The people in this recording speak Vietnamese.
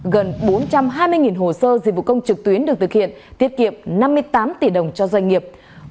gần bốn trăm hai mươi hồ sơ dịch vụ công trực tuyến được thực hiện tiết kiệm năm mươi tám tỷ đồng cho doanh nghiệp